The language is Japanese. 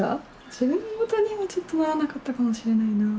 自分事にはちょっとならなかったかもしれないな。